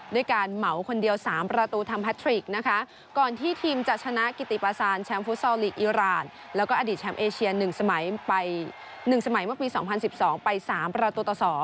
ด้วยการเหมาคนเดียว๓ประตูทำแพทริกนะคะก่อนที่ทีมจะชนะกิติปาซานแชมป์ฟุตซอลลีกอิราณแล้วก็อดีตแชมป์เอเชีย๑สมัยไป๑สมัยเมื่อปี๒๐๑๒ไป๓ประตูต่อ๒